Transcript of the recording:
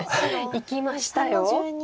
いきましたよ。